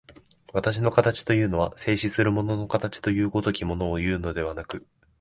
私の形というのは、静止する物の形という如きものをいうのでなく、